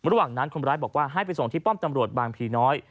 ระหว่างนั้นคนร้ายบอกว่าให้ไปส่งที่ป้อมตำรวจบางพีน้อย